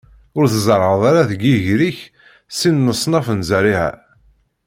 Ur tzerrɛeḍ ara deg yiger-ik sin n leṣnaf n zerriɛa.